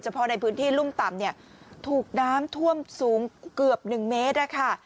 เพราะในพื้นที่รุ่มต่ำเนี่ยถูกน้ำท่วมสูงเกือบ๑เมตรนะคะ